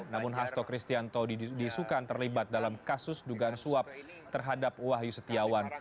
namun nasto kristianto disukan terlibat dalam kasus dugaan suap terhadap wayu setiawan